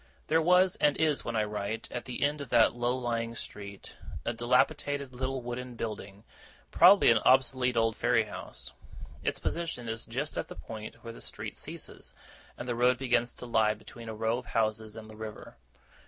There was, and is when I write, at the end of that low lying street, a dilapidated little wooden building, probably an obsolete old ferry house. Its position is just at that point where the street ceases, and the road begins to lie between a row of houses and the river.